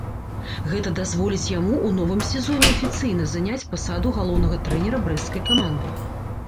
Гэта дазволіць яму ў новым сезоне афіцыйна заняць пасаду галоўнага трэнера брэсцкай каманды.